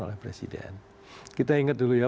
oleh presiden kita ingat dulu ya